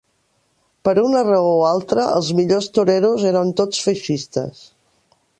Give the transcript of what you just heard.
Per una raó o altra, els millors toreros eren tots feixistes.